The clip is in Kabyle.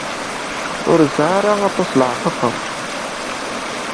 Ur yesɛi aṭas leɛqaqer.